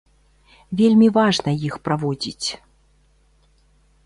Вельмі важна іх праводзіць.